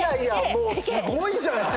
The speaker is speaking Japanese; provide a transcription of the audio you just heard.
もうすごいじゃない。